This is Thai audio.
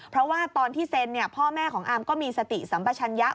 เพราะว่าตอนที่เซ็นพ่อแม่ของอาร์มก็มีสติสัมปชัญญะ